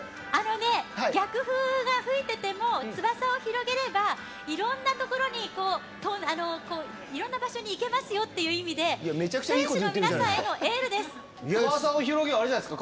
逆風が吹いていても翼を広げれば、いろんな場所に行けますよという意味で選手の皆さんへのエールです。